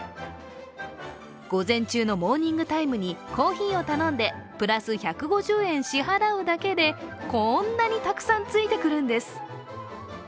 午前中のモーニングタイムにコーヒーを頼んでプラス１５０円支払うだけでこんなにたくさんついてくるんです。